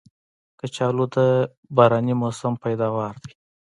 کچالو د باراني موسم پیداوار دی